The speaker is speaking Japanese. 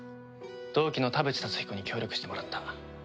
同期の田淵竜彦に協力してもらった。